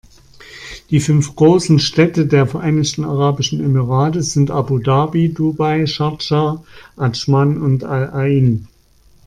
Die fünf großen Städte der Vereinigten Arabischen Emirate sind Abu Dhabi, Dubai, Schardscha, Adschman und Al-Ain.